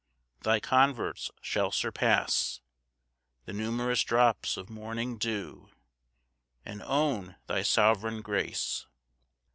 Thy converts shall surpass The numerous drops of morning dew, And own thy sovereign grace.